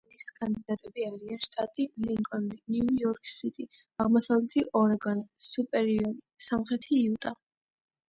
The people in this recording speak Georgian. მეორე დონის კანდიდატები არიან: შტატი ლინკოლნი, ნიუ იორკ სიტი, აღმოსავლეთი ორეგონი, სუპერიორი, სამხრეთი იუტა.